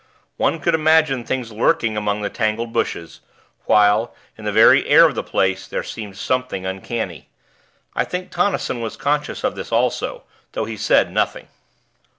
One could imagine things lurking among the tangled bushes; while, in the very air of the place, there seemed something uncanny. I think Tonnison was conscious of this also, though he said nothing.